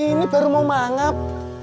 ini baru mau mangap